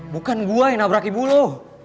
bukan gue yang nabrak ibu lu